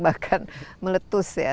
bahkan meletus ya